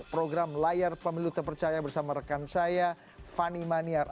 program layar pemilu terpercaya bersama rekan saya fani maniar